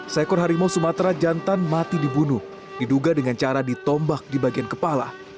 seekor harimau sumatera jantan mati dibunuh diduga dengan cara ditombak di bagian kepala